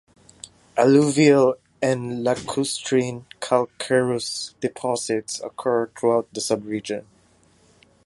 Alluvial and lacustrine calcareous deposits occur throughout the subregion.